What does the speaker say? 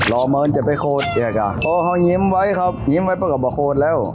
รอเมินจะไปโคตรเนี้ยกะโอ้เขายิ้มไว้ครับยิ้มไว้เพื่อก็บอกโคตรแล้ว